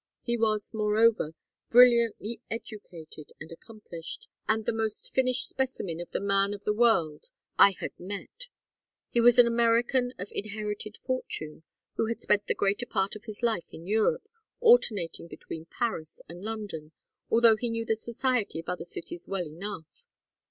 He was, moreover, brilliantly educated and accomplished, and the most finished specimen of the man of the world I had met. He was an American of inherited fortune who had spent the greater part of his life in Europe, alternating between Paris and London, although he knew the society of other cities well enough.